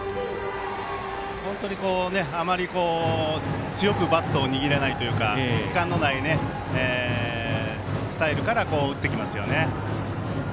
あまり強くバットを握らないというか、力感のないスタイルから打っていきますよね。